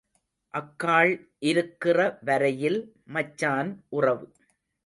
அக்காள் இருக்கிற வரையில் மச்சான் உறவு.